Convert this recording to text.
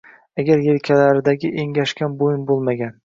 Agar yelkalaridagi engashgan bo‘yin bo‘lmagan